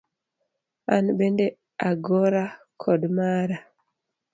An bende agora koda mara.